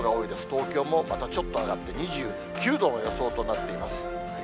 東京も、またちょっと上がって、２９度の予想となっています。